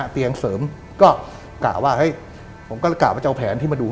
เตียงเสริมก็กะว่าเฮ้ยผมก็กะว่าจะเอาแผนที่มาดู